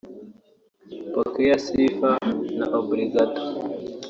Pokeya Sifa na Obrigado